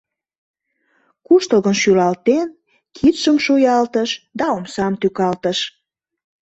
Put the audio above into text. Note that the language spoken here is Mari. Куштылгын шӱлалтен, кидшым шуялтыш да омсам тӱкалтыш.